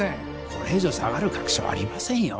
これ以上下がる確証ありませんよ